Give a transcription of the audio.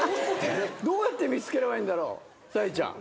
どうやって見つければいいんだろう沙莉ちゃん。